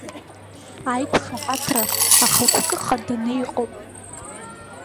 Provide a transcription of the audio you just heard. Аиқәшаҳаҭра ахықәкы хаданы иҟоуп.